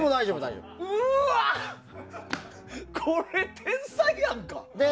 これ、天才やんか。